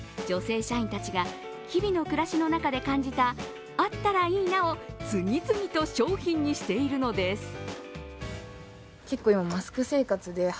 女性社員たちが日々の暮らしの中で感じたあったらいいなを次々と商品にしているのです。